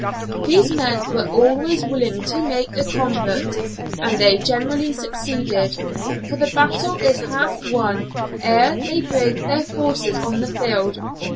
These men are always willing to make a convert, and they generally succeed, for the battle is half won ere they bring their forces on the field.